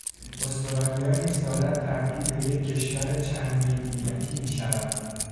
استرالیا نیز دارد تبدیل به یک کشور چند ملیتی میشود.